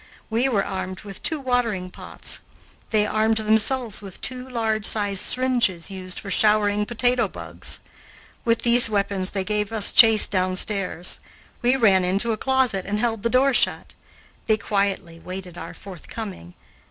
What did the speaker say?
We were armed with two watering pots. They armed themselves with two large sized syringes used for showering potato bugs. With these weapons they gave us chase downstairs. We ran into a closet and held the door shut. They quietly waited our forthcoming.